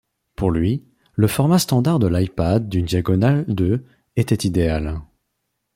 Pour lui, le format standard de l'iPad d'une diagonale de était idéal.